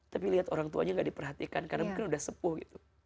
tapi lihat orang tuanya gak diperhatikan karena mungkin udah sepuh gitu